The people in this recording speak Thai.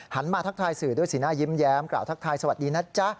มาทักทายสื่อด้วยสีหน้ายิ้มแย้มกล่าวทักทายสวัสดีนะจ๊ะ